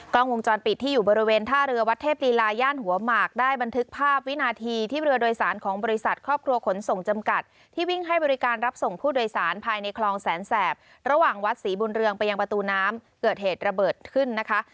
กล้องวงจรปิดที่อยู่บริเวณท่าเรือวัดเทพลีลาย่านหัวหมากได้บันทึกภาพวินาทีที่เรือโดยสารของบริษัทครอบครัวขนส่งจำกัดที่วิ่งให้บริการรับส่งผู้โดยสารภายในคลองแสนแสบระหว่างวัดศรีบุญเรืองไปยังประตูน้ำเกิดเหตุระเบิดขึ้นนะคะ